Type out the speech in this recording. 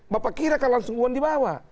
bapak kirakan langsung uang dibawa